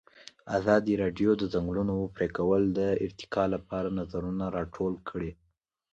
ازادي راډیو د د ځنګلونو پرېکول د ارتقا لپاره نظرونه راټول کړي.